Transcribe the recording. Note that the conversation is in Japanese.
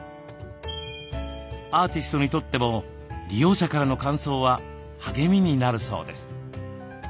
アーティストにとっても利用者からの感想は励みになるそうです。